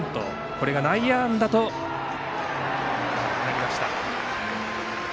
これが内野安打となりました。